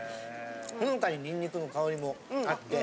ほのかにニンニクの香りもあって。